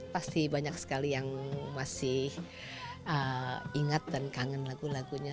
pasti banyak sekali yang masih ingat dan kangen lagu lagunya